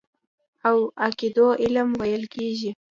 او عقيدو علم ويل کېږي.